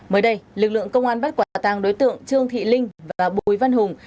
mới đây lực lượng công an bắt quả tàng đối tượng trương thị linh và bùi văn hùng